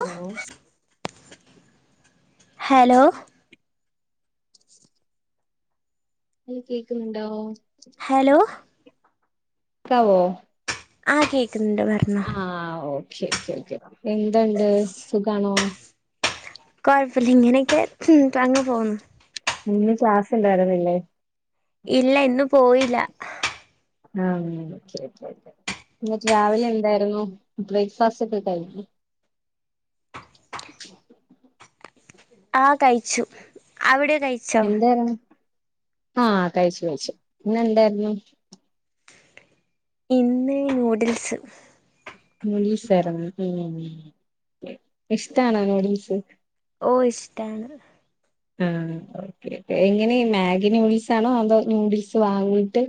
Hello hello ങ്ങ കേക്കുന്നുണ്ടോ hello ക്കാവോ ആ കേ ക്കുന്നുണ്ട് പർഞ്ഞോ ക്കെ ക്കെ ക്കെ എന്തുണ്ട്? സുഖാണോ? കൊഴപ്പില്ല ഇങ്ങനൊക്കെ ക്ക് കഴിഞ്ഞ് പോവുന്ന് ഇന്ന് ക്ലാസ്സ്‌ ണ്ടായിര്ന്നില്ലേ? ഇല്ല ഇന്ന് പോയില്ല [unintelligible] ന്നട്ട് രാവിലെ എന്തായിരുന്നു ബ്രേക്ഫാസ്റ്റൊക്കെ കഴി ആ കഴിച്ചു അവിടെ കഴിച്ചോ എന്താർഞ്ഞേ ആ കഴിച്ചു കഴിച്ചു ന്നെന്താർന്നു ഇന്ന് നൂഡിൽസ് നൂഡിൽസ് ആയിർന്നു മ്മ് ഇഷ്ടാണോ നൂഡിൽസ് ഓ ഇഷ്ടാണ് ആ ഓക്കേ എങ്ങനെ ഈ മാഗ്ഗി നൂഡിൽസ് ആണോ അതോ നൂഡിൽസ് വാങ്ങീട്ട്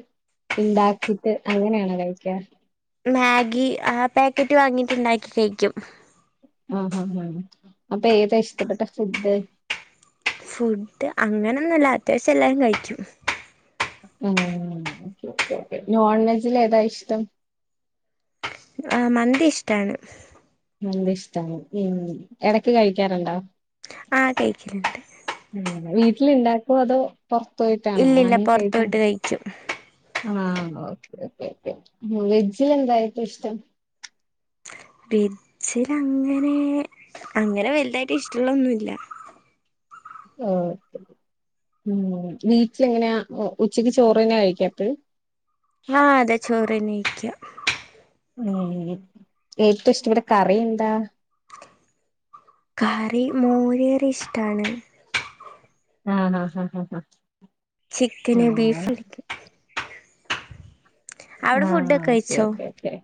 ണ്ടാക്കീട്ട് അങ്ങനാണോ കഴിക്കാ മാഗ്ഗി ആ പാക്കറ്റ് വാങ്ങീട്ട് ണ്ടാക്കി കഴിക്കും ആ ഹാ ഹാ അപ്പേതാ ഇഷ്ടപ്പെട്ട ഫുഡ്‌ ഫുഡ്‌ അങ്ങനൊന്നുല്ല അത്യാവശ്യം എല്ലാം കഴിക്കും മ്മ് ഓക്കേ നോൺവെജിൽ ഏതാ ഇഷ്ടം ആ മന്തി ഇഷ്ടാണ് മന്തി ഇഷ്ടാണ് എടക്ക് കഴിക്കാറുണ്ടോ ആ കഴിക്കല്ണ്ട്‌ ട്ടിലിണ്ടാക്കോ അതോ പൊർത്തോയിട്ടാണോ ഇല്ലില്ല പുറത്ത് വാങ്ങികഴിക്ക പോയിട്ട് കഴിക്കും ആ ഓക്കേ ഓക്കേ വെജിലെന്താ ഏറ്റവും ഇഷ്ടം വെ ജ്ജിലങ്ങനെ അങ്ങനെ വലുതായ്ട്ട് ഇഷ്ടള്ളൊന്നുല്ല ഓ മ്മ് വീട്ടിലെങ്ങനെയാ ഉച്ചക്ക് ചോറ് തന്നെയാ കഴിക്കാ എപ്പഴും? ആ അതെ ചോറ്. തന്നെഴിക്കാ ഏറ്റവും ഇഷ്ടപ്പെട്ട കറി ന്താ കറി മോര് കറി ഇഷ്ടാണ് ആ ആ അ അ അ ചിക്കന് ബീഫ് അവിടെ ആ ഫുഡൊക്കെ ഓക്കേ കഴിച്ചോ ഓക്കേ ക്കെ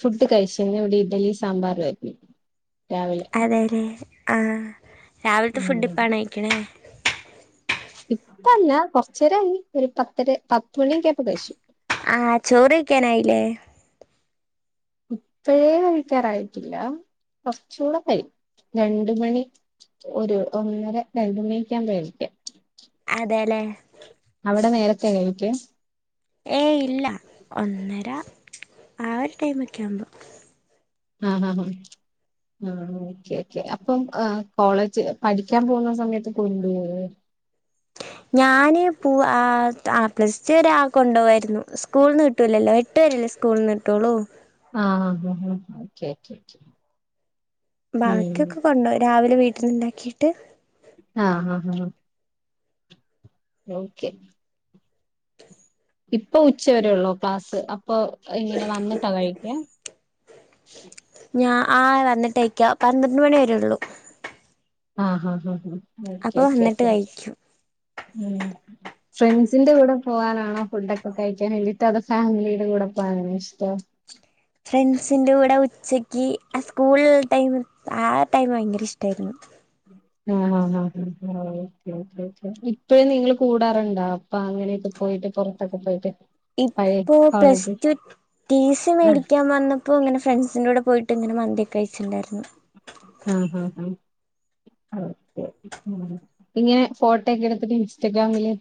ഫുഡ്‌ കഴിച്ചു ഇന്നിവിടെ ഇടലിം സാമ്പാറും ആയിര്ന്നു അതേലേ ആ രാവിൽത്തെ ഫുഡ്‌ ഉം ഇപ്പാണോ കഴിക്ക്ണേ ഇപ്പല്ല കൊർച്ചേരായി ഒരു പത്തര് പത്തുമണി ക്കായപ്പൊ കഴിച്ചു ആ ചോറെയ്ക്കാനായില്ലെ ഇപ്പഴെ വെയ്ക്കാറായിട്ടില്ല കൊർച്ചൂടെ കഴിയും രണ്ടു മണി ഒരു ഒന്നര രണ്ടുമണിക്കാ കഴിക്കാ അതെലെ അവിടെ നേരത്തെ എണീക്കും ഏ ഇല്ല ഒന്നര ആ ഒരു ടൈമൊക്കെ ആമ്പം ആ ഹാ ഉം ആ ഓക്കെ ഓക്കെ അപ്പം കോളേജ് പഠിക്കാ പോകുന്ന സമയത്ത് കൊണ്ടൊവോ ഞാന് പോവ് ആ പ്ലസ് ടു വരെ ആ കൊണ്ടുവായിരുന്നു സ്കൂളിന്ന് കിട്ടൂലല്ലോ എട്ട് വരെല്ലേ സ്കൂളിന്ന് കിട്ടൊള്ളൂ ആ ആ ഓക്കേ ക്കേ ക്കേ ബാക്കിഒക്കെ കൊണ്ടോവും രാവിലെ വീട്ടി ല്ണ്ടാകീട്ട് ആ ആ ഓക്കേ ഇപ്പോ ഉച്ചവരെ ഒള്ളൊ ക്ലാസ്സ് അപ്പോ എങ്ങനാ വന്നിട്ടാ കഴിക്യാ ഞാ ആ വന്നിട്ടാ കഴിക്കാ പന്ത്രണ്ട് മണി വരെള്ളൂ ആ ആ ആ ഓക്കേ ഓക്കേ വന്നിട്ട് കഴിക്കും ഉം ഫ്രണ്ട്സിന്റെ കൂടെ പോവാനാണോ ഫുഡൊക്കെ കഴിക്കാൻ വേണ്ടിട്ട് അതോ ഫാമിലിയുടെ കൂടെ പോവാനാണോ ഇഷ്ടം ഫ്രണ്ട്സിന്റെ കൂടെ ഉച്ചയ്ക്ക് ആ സ്കൂൾള്ള ടൈമ് ആ ടൈം ഭയങ്കര ഇഷ്ടായിരുന്നു ആ ആ ആ ഓക്കേ ഓക്കേ ഓക്കേ ഇപ്പഴും നിങ്ങള് കൂടാറ്ണ്ടൊ പ്പാ അങ്ങനെയൊക്കെ പോയിട്ട് പൊറത്തൊക്കെ പോയിട്ട് പഴയ ഇപ്പോ plus college two T C ആഹ് മേടിക്കാ വന്നപ്പോങ്ങനെ ഫ്രണ്ട്സിന്റെ കൂടെ പോയിട്ട്ങ്ങനെ മന്തിക്കെ കഴിച്ചിണ്ടായിരുന്നു ആ ആ ആ ഓക്കേ ഉം ഇങ്ങനെ ഫോട്ടോക്കെ എടുത്തിട്ട് ഇൻസ്റ്റഗ്രാമില്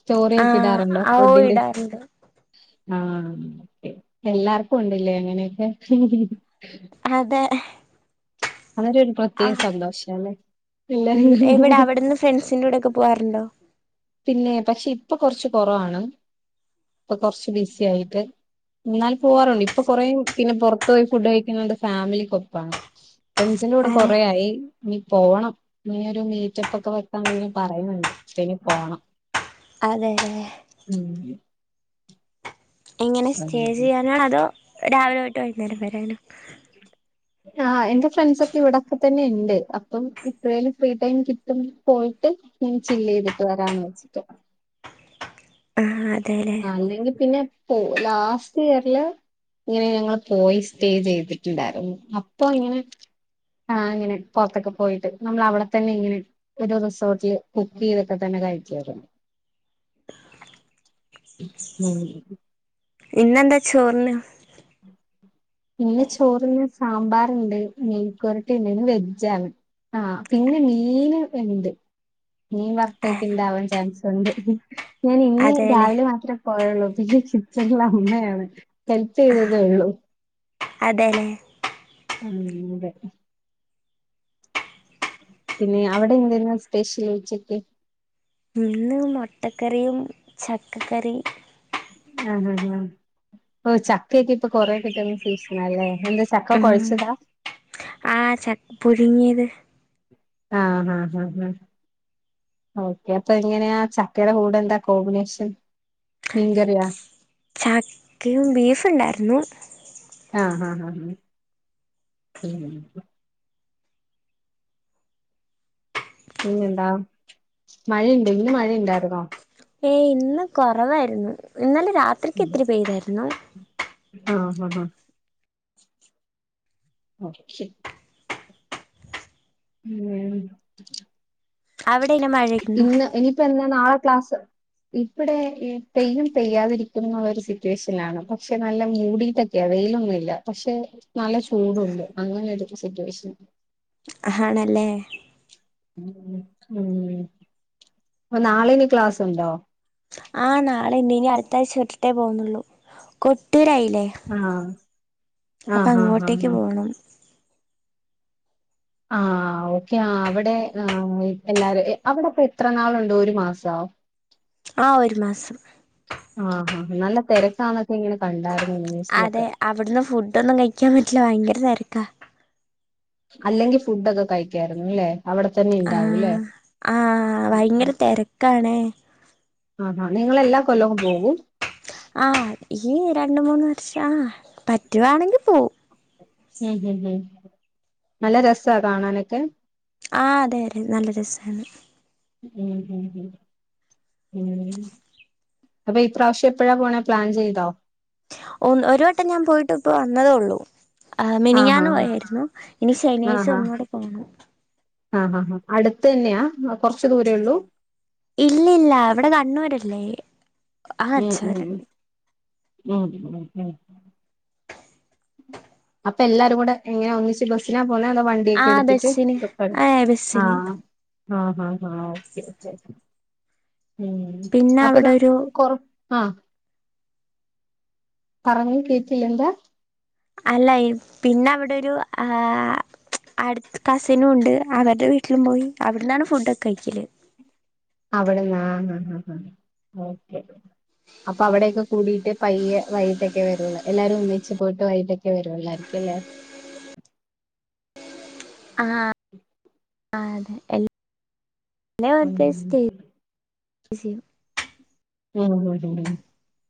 സ്റ്റോറി ആ ഒക്കെ ഇടാറുണ്ടോ ആ ഓ ഇടാറ്ണ്ട് ആ എല്ലാർക്കു ണ്ട്‌ലെ അങ്ങനെക്കെ അതെ അവരൊരു ആ പ്രത്യേക സന്തോഷാലെ ഉം ഹ് എവിടെ ഹ് അവിടുന്ന് ഫ്രണ്ട്സിന്റെ കൂടെ ഒക്കെ പോവാറുണ്ടോ പിന്നെ പക്ഷേ ഇപ്പൊ കൊർച്ച് കൊറവാണ് ഇപ്പൊ കൊർച്ച് ബിസി ആയിട്ട് എന്നാൽ പോവാറുണ്ട് ഇപ്പൊ കൊറെ പിന്നെ പൊറത്തോയി ഫുഡ് കഴിക്കുന്നത് ഫാമിലിക്കൊപ്പാണ് ഫ്രണ്ട്സിന്റൊടെ അതെ കൊറെ ആയി ഇനി പോവണം ഇനിയൊരു മീറ്റപ്പക്കെ വെക്കാൻ വേണ്ടി പറയ്ണണ്ട് പോണം അതേലെ ഉം എങ്ങനെ സ്റ്റേ ചെയ്യാനാണോ അതൊ രാവിലെ തൊ ട്ട് വൈന്നേരം വരെണോ ആ എന്റെ ഫ്രണ്ട്സൊക്കെ ഇവിടൊക്കെ തന്നെണ്ട് അപ്പം എപ്പഴേലും ഫ്രീ ടൈം കിട്ടുമ്പൊ പോയിട്ട് ചില്ലയ്തിട്ട് വരാന്ന് വെച്ചിട്ട് ആഹ് ആ അല്ലെങ്കി പിന്നെ ലാസ്റ്റ് ഇയർല് ഇങ്ങനെ ഞങ്ങള് പോയി സ്റ്റേ ചെയ്തിട്ടുണ്ടായ്ര്ന്നു അപ്പൊ ഇങ്ങനെ ആ ഇങ്ങനെ പൊർത്തൊക്കെ പോയിട്ട് നമ്മൾ അവിടെ തന്നെ ഇങ്ങനെ ഒരു റിസോർട്ട്ല് കുക്കെയ്തിട്ടൊക്കെ തന്നെ കൈക്കായ്രുന്നു ഉം ഇന്നെന്താ ചോറിന് ഇന്ന് ചോറിന് സാമ്പാറുണ്ട് മെഴുക്കുപെരട്ടി ഉണ്ട് ഇന്ന് വെജാണ് ആ പിന്നെ മീൻ ഉണ്ട് മീൻ ആ വറുത്തെക്കെ ഇണ്ടാവാൻ ചാൻസുണ്ട് ഞാൻ ഇന്ന് അതെല്ലേ രാവിലെ മാത്രമേ പോയള്ളൂ പിന്നെ [unintelligible] അമ്മയാണ് ചെയ്തതേയുള്ളൂ അതേല്ലേ [unintelligible] പിന്നെ അവിടെ എന്തന്ന് സ്പെഷ്യൽ ഉച്ചക്ക് ഇന്ന് മുട്ടക്കറിയും ചക്കക്കറിയും ആഹ് ആഹ് ആഹ് ഓ ചക്കയൊക്കെ ഇപ്പൊ കൊറേ കിട്ടുന്ന സീസണ അല്ലേ ഉം ആ ചക്ക പുഴുങ്ങീത് ആഹ് ആഹ് ആഹ് ഓക്കെ അപ്പൊ എങ്ങനെയാ ചക്കയുടെ കൂടെ എന്താ കോമ്പിനേഷൻ മീൻകറിയാ ചക്കയും ബീഫ് ഉണ്ടായിരുന്നു [inaudible] പിന്നെന്താ മഴയുണ്ട് ഇന്ന് മഴയുണ്ടായിരുന്നോ ഏയ് ഇന്ന് കൊറവായിരുന്നു ഇന്നലെ രാത്രിക്ക് ഇത്തിരി പെയ്തായിരുന്നു ആഹ് അഹ് ഹ ഉം അവിടെ ഇങ്ങനെ മഴയുണ്ടോ ഇന്ന് ഇനിയിപ്പ എന്നാ നാളെ ക്ലാസ് ഇവിടെ പെയ്യും പെയ്യാതിരിക്കുന്ന ഒരു സിറ്റുവേഷനിലാണ് പക്ഷെ നല്ല മൂടിട്ടക്കെയാ വെയിലൊന്നുമില്ല പക്ഷെ നല്ല ചൂടുണ്ട് അങ്ങനെരു സിറ്റുവേഷൻ ആണല്ലേ ഉം അപ്പൊ നാളെ ഇനി ക്ലാസ്സുണ്ടോ ആ നാളെ ഉണ്ട് ഇനി അടുത്ത ആഴ്ച തൊട്ടിട്ടെ പോകുന്നുള്ളൂ കൊട്ടൂരായി ഇല്ലേ ആഹ് അപ്പൊ ആഹ് ഹാ ഹാ ഹാ അങ്ങോട്ടേക്ക് പോണം ആഹ് ഓക്കെ ആ അവിടെ എല്ലാരും അവിടൊക്ക എത്ര നാളുണ്ട് ഒരു മാസവൊ ആഹ് ഒരു മാസം ആഹ് ആ നല്ല തിരക്ക് ആന്നൊക്കെ ഇങ്ങനെ കണ്ടാരു അതെ അവിടുന്ന് ഫുഡ് ഒന്നും കഴിക്കാൻ പറ്റില്ല ഭയങ്കര തെര ക്കാ അല്ലെങ്കിൽ ഫുഡ് ഒക്കെ കഴിക്കായിരുന്നു ഇല്ലേ ആ ആ ഭയങ്കര ഉം. തേരക്കാണേ ആ ഹാ നിങ്ങെളെല്ലാ കൊല്ലവും പോകും ആ ഈ രണ്ട മൂന്ന് വർഷ ആ പറ്റവാണെങ്കി പോവും ഉം ഉം ഉം നല്ല രസ കാണാനൊക്കെ ആ അതെ നല്ല രസാണ് ഉം ഉം ഉം ഉം അപ്പൊ ഈ പ്രാവശ്യം എപ്പോഴാ പോണെ പ്ലാൻ ചെയ്തോ ഒന്ന് ഒരു വട്ടം ഞാൻ പോയിട്ട് ഇപ്പ വന്നത്ള്ളൂ ആ ആഹാ. മിനിഞ്ഞാന്ന് പോയായിരുന്നു ഇനി ശനിയാഴ്ച ഒന്നുകൂടെ പോണം ആഹ് ഹാ ഹാ അടുത്ത തന്നെയാ കൊറച്ച് ദൂരേള്ളൂ ഇല്ല ഇല്ല വടെ കണ്ണൂരല്ലേ ആ മ് മ് അച്ചാറ് മ് മ് മ് മ് അപ്പൊ എല്ലാരും കൂടെ എങ്ങനെ ഒന്നിച്ച് ബസ്സിനാ പോനെതൊ അതോ ആ വണ്ടീക്കേടുത്തിട്ട് ബസ്സിന് ട്രിപ്പ്ട് ആ ആ ബസ്സിന് ആഹ് ആഹ് ആഹ് ഓക്കേ ഓക്കേ മ് പിന്നെ അപ്പ അവിടെ ഒരു നമ്മക്കൊറ ആഹ് പറഞ്ഞെകേറ്റില്ലെന്താ അല്ല പിന്നവിടൊരു ആ അടുത് കസിനൂണ്ട് അവരെ വീട്ടിലും പോയി അവ്ട്ന്നാണ് ഫോഡോക്കെ കഴിചില്ല് അവിട്ന്നാ ഹ് ഹ് ഹ് ഓക്കേ അപ്പവടെക്കെ കൂടിട്ട് പയ്യേ വൈകിട്ടൊക്കെ വര്ള്ളൂ എല്ലാരൊന്നിച്ച് പോയിട്ട് വൈകിട്ടൊക്കെ വരോള്ളായിരിക്കുല്ലേ ആഹ് ആ അതെ എൽ [unintelligible] [unintelligible] [unintelligible]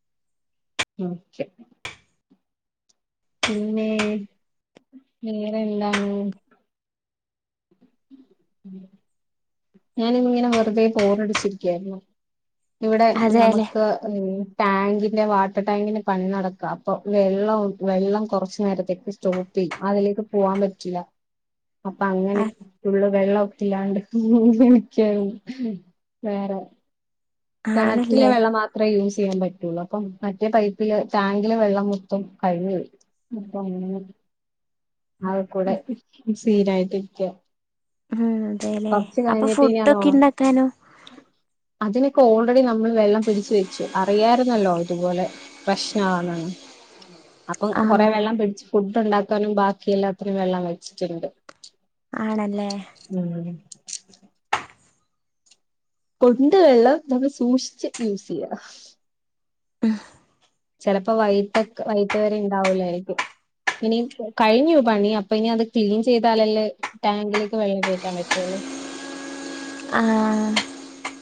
ഓക്കേ പിന്നെ വേ വേറെന്താണ് [unintelligible] ഞാനിങ്ങനെ വെർതെ ബോറടിച്ചിരിക്കായിര്ന്നു. ഇവിടെ അതെല്ലേ നമക്ക് മ് ടാങ്കിന്റെ വാട്ടർ ടാങ്കിന്റെ പണിനടക്കാ അപ്പൊ വെള്ളോം വെള്ളം കൊറച്ച് നേരത്തേക്ക് സ്റ്റോപ്പിയും പോവാൻ പറ്റില്ല ആ അപ്പങ്ങനെഫുൾ വേള്ളോ ഇല്ലാണ്ട് [unintelligible] വേറെ കേണറ്റിലെ ആണല്ലേ വെള്ളം മാത്രേ യൂസ് ചെയ്യാൻ പറ്റുള്ളു അപ്പൊ മറ്റേ പൈപ്പ് ടാങ്കിലെ വള്ളം മൊത്തം കഴിഞ്ഞു പോയി പ്പങ്ങനെ ആകക്കൂടെ സിനായിട്ടിരിക്ക ഉം അതേലേ അപ്പൊ ഇനി അത് ഓ ഫുഡൊക്കെണ്ടാക്കാനോ അതിനൊക്കെ ഓൾറെഡി നമ്മൾ വെള്ളം പിടിച്ച് വെച്ചു അറിയാരുന്നല്ലോ ഇതുപോലെ പ്രശ്നമാന്നെന്ന് അപ്പം ആ കൊറേ വെള്ളം പിടിച്ച് ഫുഡ് ഉണ്ടാക്കാനും ബാക്കി എല്ലാത്തിനും വെള്ളം വെച്ചിട്ട്ണ്ട് ആണല്ലേ ഉണ്ട് വെള്ളം നമ്മൾ സൂക്ഷിച്ച് യൂസ് ചെയ്യ ആഹ് ചിലപ്പോ വൈട്ട് വൈട്ട് വരെ ഇണ്ടാവൂലേരിക്കും ഇനി കഴിഞ്ഞു പണി അപ്പ ഇനി അത് ക്ലീൻ ചെയ്താലല്ലേ ടാങ്കിലേക്ക് വെള്ളം കയറ്റാൻ പറ്റൊള്ളു. ആഹ്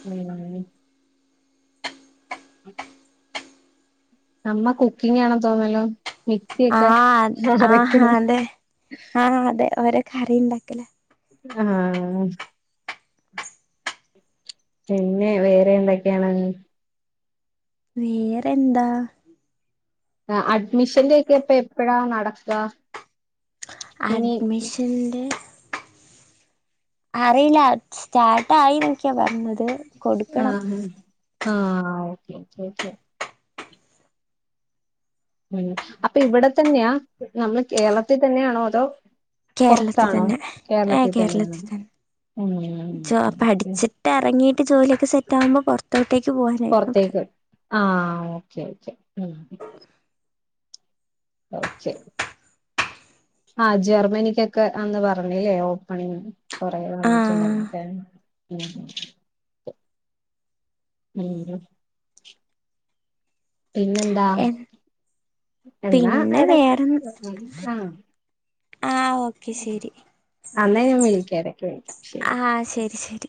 മ് [unintelligible] അമ്മ കുക്കിങ് ആണെന്ന് തോന്നുന്നല്ലോ ആഹ് ആ അതെ ആഹ അതെ ഓരോ കറിയുണ്ടാക്ക [unintelligible] ആഹ് പിന്നെ വേറെ എന്തൊക്കെയാണ് വേറെന്താ അഡ്മിഷന്റെ ഒക്കെപ്പ എപ്പഴാ നടക്കുക ഇനി അഡ്മിഷന്റെ അറിയില്ല സ്റ്റാർട്ട് ആയിന്നൊക്കെയാ പറഞ്ഞത് കൊടുക്കണം ആഹ് ആഹ് ആഹ് ഓക്കെ ചോയ്ക്ക ഉം അപ്പൊ ഇവിടെ തന്നെയാ നമ്മള് കേരളത്തിൽ തന്നെയാണോ അതോ കേരളത്തിൽ പുറത്താണോ തന്നെ ഏ തന്നെയാണ് കേരളത്തിൽ തന്നെ ജോ ഉം പഠിച്ചിട്ട് ഇറങ്ങിയിട്ട് ജോലിയൊക്കെ സെറ്റ് ആകുമ്പോ പുറത്തോട്ടേക്ക് പോവാനായിരുന്നു പ്ലാൻ പുറത്തേക്ക് ആഹ് ഓക്കെ ഓക്കെ ആ ജർമ്മനിക്കൊക്കെ അന്ന് പറഞ്ഞില്ലേ ഓപ്പണിങ്ങ് കൊറെ ആഹ് വന്നിട്ടുണ്ടന്നൊക്കെ ഉം ഉം പിന്നെന്താ എന്നാ പിന്നെ ഇട വേറെ ആ ആഹ് ഓക്കെ ശരി അന്നാ ഞാൻ വിളിക്കാം ഇടയ്ക്ക് വിളിക്കാം ശെരി ആഹ് ശരി ശരി